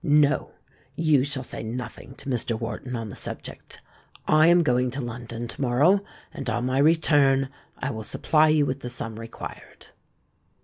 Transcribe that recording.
No—you shall say nothing to Mr. Wharton on the subject. I am going to London to morrow; and on my return I will supply you with the sum required."